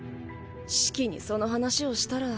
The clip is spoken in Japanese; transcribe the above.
シキにその話をしたら。